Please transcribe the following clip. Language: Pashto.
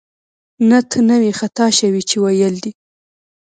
نه، ته نه وې خطا شوې چې ویل دې